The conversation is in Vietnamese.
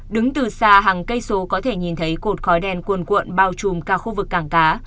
đứng từ xa hàng cây số có thể nhìn thấy cột khói đen cuồn cuộn bao trùm cả khu vực cảng cá